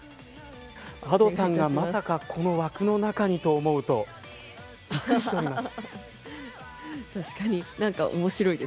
Ａｄｏさんがまさかこの枠の中にと思うとびっくりしております。